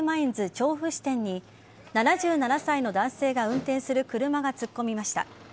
調布支店に７７歳の男性が運転する車が突っ込みました。